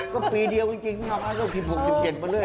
ก็ปีเดียวจริงน้องน้องก็กิน๖๗กว่าเลย